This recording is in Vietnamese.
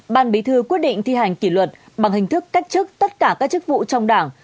ban bí thư quyết định thi hành kỷ luật bằng hình thức cách chức tất cả các chức vụ trong đảng